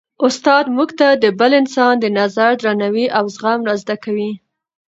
استاد موږ ته د بل انسان د نظر درناوی او زغم را زده کوي.